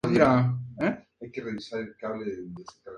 En la temporada siguiente logra mantener con dificultades la categoría.